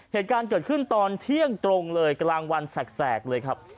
เหตุการณ์เกิดขึ้นตอนเที่ยงตรงเลยกลางวันแสกเลยครับ